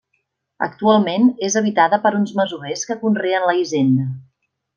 Actualment és habitada per uns masovers que conreen la hisenda.